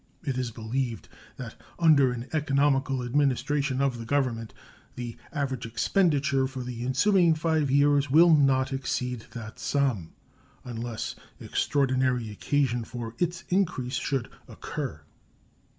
It is believed that under an economical administration of the Government the average expenditure for the ensuing five years will not exceed that sum, unless extraordinary occasion for its increase should occur.